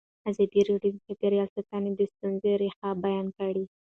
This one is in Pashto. ازادي راډیو د چاپیریال ساتنه د ستونزو رېښه بیان کړې.